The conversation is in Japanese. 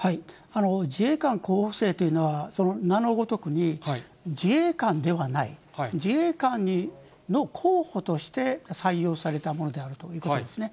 自衛官候補生というのは、その名のごとくに、自衛官ではない、自衛官の候補として採用されたものであるということですね。